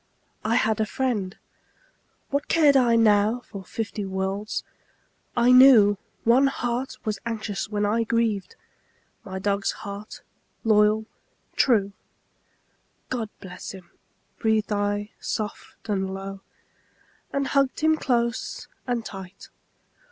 I had a friend; what cared I now For fifty worlds? I knew One heart was anxious when I grieved My dog's heart, loyal, true. "God bless him," breathed I soft and low, And hugged him close and tight.